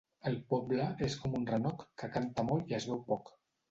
El poble és com un renoc, que canta molt i es veu poc.